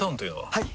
はい！